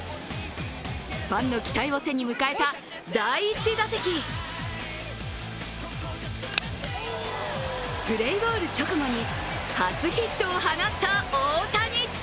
ファンの期待を背に迎えた第１打席プレイボール直後に初ヒットを放った大谷。